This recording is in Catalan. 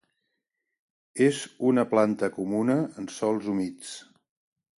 És una planta comuna en sòls humits.